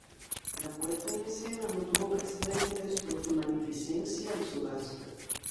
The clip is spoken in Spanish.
La puesta en escena no tuvo precedentes por su magnificencia y su gasto.